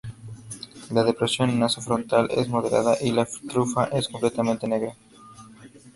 La depresión naso-frontal es moderada y la trufa es completamente negra.